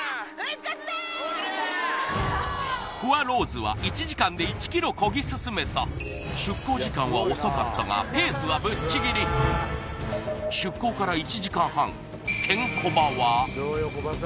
フワローズは１時間で１ｋｍこぎ進めた出航時間は遅かったがペースはぶっちぎりということです